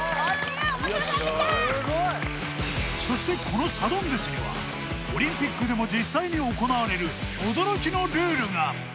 このサドンデスにはオリンピックでも実際に行われる驚きのルールが。